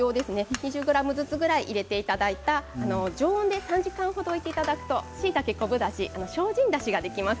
２０ｇずつくらい入れていただいて常温で３時間程置いていただくとしいたけ、昆布だし、精進だしができます。